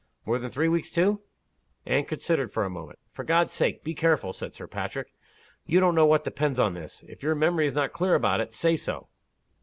More than three weeks, too?" Anne considered for a moment. "For God's sake, be careful!" said Sir Patrick. "You don't know what depends on this, If your memory is not clear about it, say so."